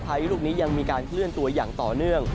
พายุลูกนี้ยังมีการเคลื่อนตัวอย่างต่อเนื่อง